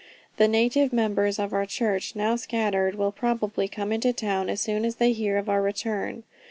The native members of our church, now scattered, will probably come into town as soon as they hear of our return.